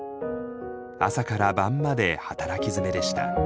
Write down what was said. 朝から晩まで働きづめでした。